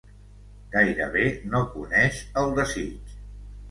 Gairebé no coneix el desig.